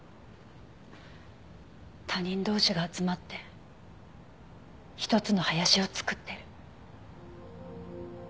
他人同士が集まって一つの林を作ってる。